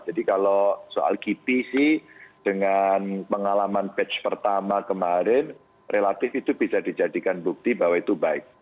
jadi kalau soal kipi sih dengan pengalaman batch pertama kemarin relatif itu bisa dijadikan bukti bahwa itu baik